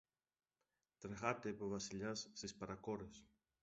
Τρεχάτε, είπε ο Βασιλιάς στις παρακόρες